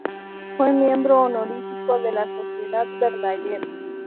Fue miembro honorífico de la Sociedad Verdaguer.